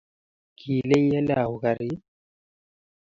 Kile iole au karit?